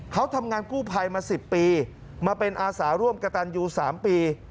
เขาทำงานกู้ภัยมา๑๐ปีมาเป็นอาสาร่วมกระตันยู๓ปี